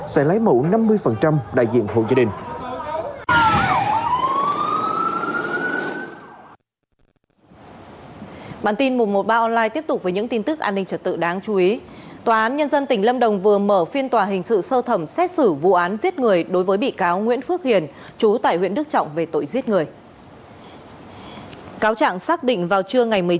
sẽ lấy mẫu năm mươi đại diện hội gia đình